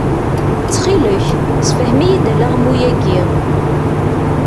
Ttxil-k, sefhem-iyi-d alaɣmu-agi?